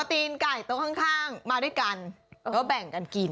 ตีนไก่โต๊ะข้างมาด้วยกันก็แบ่งกันกิน